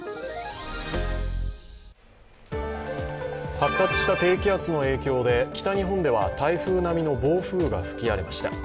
発達した低気圧の影響で北日本では台風並みの暴風が吹き荒れました。